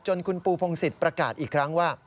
คุณปูพงศิษย์ประกาศอีกครั้งว่า